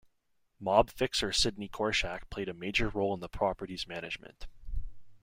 Mob fixer Sidney Korshak played a major role in the property's management.